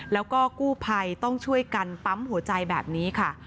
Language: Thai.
แล้วก็กู้ภัยต้องช่วยกันปั๊มหัวใจแบบนี้ค่ะ